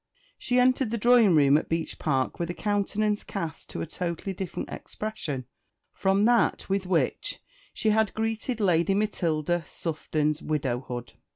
She entered the drawing room at Beech Park with a countenance cast to a totally different expression from that with which she had greeted Lady Matilda Sufton's widowhood.